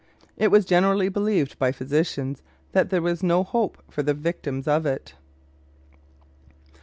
It was generally believed by physicians that there was no hope for the victims of it.